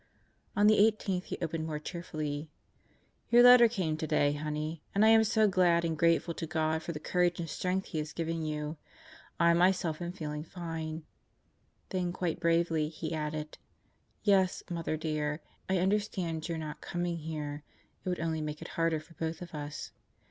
. On the eighteenth he opened more cheerfully: "Your letter came today, Honey, and I am so glad and grateful to God for the courage and strength He is giving you. I myself am feeling fine." ... Then quite bravely he added: "Yes, Mother dear, I understand your not coming here. It would only make it harder for both of us.